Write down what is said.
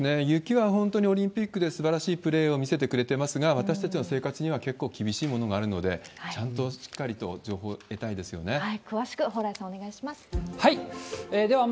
雪は本当にオリンピックですばらしいプレーを見せてくれてますが、私たちの生活には結構厳しいものがあるので、ちゃんとしっかりと情報得たいですよね。